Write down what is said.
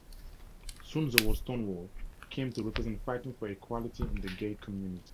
Soon the word "Stonewall" came to represent fighting for equality in the gay community.